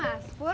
ya mas pur